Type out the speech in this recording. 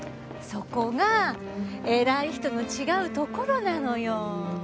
そこが偉い人の違うところなのよ！